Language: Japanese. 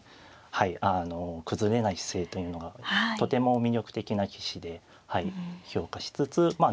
はいあの崩れない姿勢というのがとても魅力的な棋士で評価しつつまあ